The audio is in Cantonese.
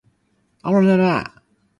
流浮山金蠔